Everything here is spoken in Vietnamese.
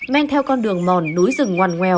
men theo con đường mòn núi rừng ngoằn nguèo